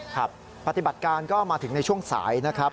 ครับปฏิบัติการก็มาถึงในช่วงสายนะครับ